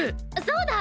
そうだ！